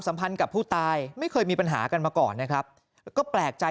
พันธ์กับผู้ตายไม่เคยมีปัญหากันมาก่อนนะครับแล้วก็แปลกใจ